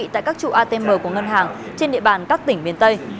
tại các trụ atm của ngân hàng trên địa bàn các tỉnh miền tây